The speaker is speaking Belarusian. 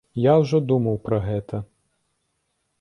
Я ўжо думаў пра гэта.